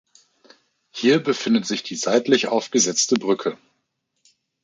Hier befindet sich die seitlich aufgesetzte Brücke.